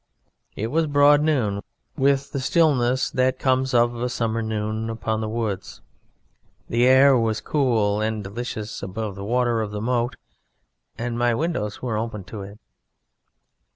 It was broad noon, with the stillness that comes of a summer noon upon the woods; the air was cool and delicious above the water of the moat, and my windows were open to it.